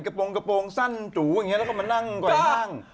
กระโปรงสั้นสู่อย่างเงี้ยแล้วก็มานั่งวัยนั่ง